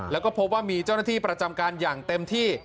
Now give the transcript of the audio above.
แล้วก็พบว่ามีเจ้าหน้าที่ประจำการอย่างเต็มที่